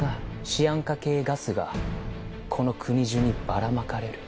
シアン化系ガスがこの国中にばらまかれる。